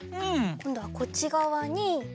こんどはこっちがわに。